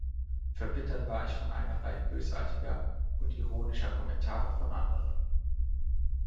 Verbittert war ich von einer Reihe bösartiger und ironischer Kommentare von anderen.